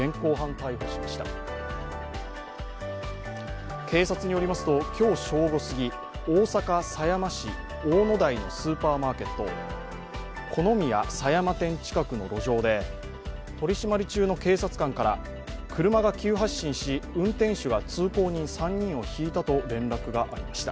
警察によりますと、今日正午すぎ、大阪・狭山市大野台のスーパーマーケットコノミヤ狭山店近くの路上で取締中の警察官から車が急発進し運転手が通行人３人をひいたと連絡がありました。